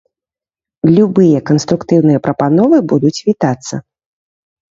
Любыя канструктыўныя прапановы будуць вітацца.